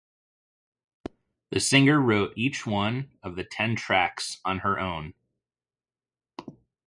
The singer wrote each one of the ten tracks on her own.